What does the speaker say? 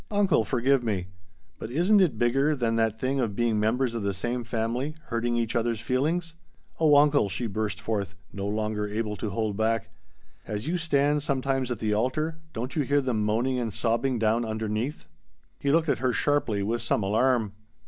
"Uncle forgive me! But isn't it bigger than that thing of being members of the same family hurting each other's feelings? Oh uncle!" she burst forth, no longer able to hold back, "as you stand sometimes at the altar don't you hear them moaning and sobbing down underneath?" He looked at her sharply, with some alarm.